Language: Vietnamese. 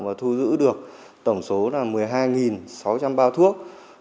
và thu giữ được tổng số là một mươi hai sáu trăm linh bao thuốc